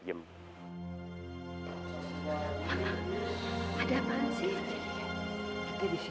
kita disini aja